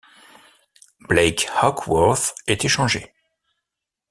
Blake Hawksworth est échangé.